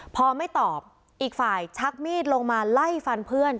พอไม่ตอบอีกฝ่ายชักมีดลงมาไล่ฟันเพื่อน